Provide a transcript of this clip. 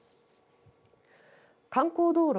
観光道路